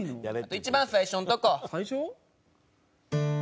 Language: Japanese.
一番最初のとこ。